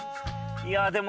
いやでも。